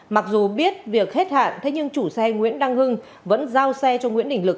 mặc dù biết việc hết hạn thế nhưng chủ xe nguyễn đăng hưng vẫn giao xe cho nguyễn đình lực